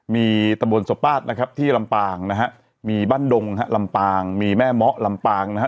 มีตะบนสปาตนะครับที่ลำปางนะฮะมีบ้านดงฮะลำปางมีแม่เมาะลำปางนะฮะ